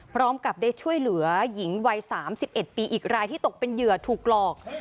พร้อมกับได้ช่วยเหลือหญิงวัย๓๑ปีอีกรายที่ตกเป็นเหยื่อถูกหลอก